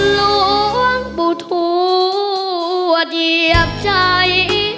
หลวงปู่ทวเหยียบใจ